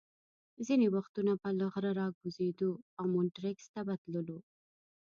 ځینې وختونه به له غره را کوزېدو او مونیټریکس ته به تللو.